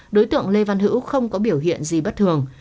đối tượng lê văn hữu không có biểu hiện gì bất thường